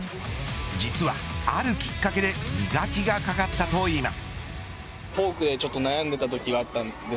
実はあるきっかけで磨きがかかったといいます。